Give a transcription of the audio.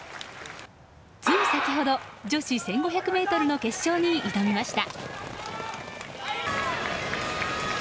つい先ほど、女子１５００ｍの決勝に挑みました。